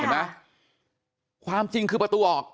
เห็นไหมความจริงคือประตูออก